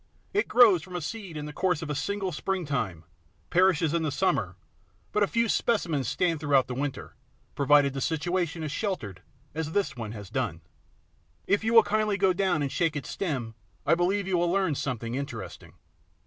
It grows from a seed in the course of a single springtime, perishes in the summer; but a few specimens stand throughout the winter, provided the situation is sheltered, as this one has done. If you will kindly go down and shake its stem I believe you will learn something interesting."